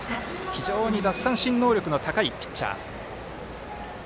非常に奪三振能力の高いピッチャー。